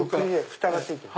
ふたがついてる。